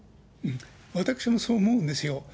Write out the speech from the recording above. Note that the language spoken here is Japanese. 私もそう思うんですよ。